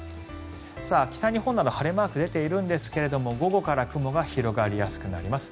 北日本など晴れマーク出ているんですが午後から雲が広がりやすくなります。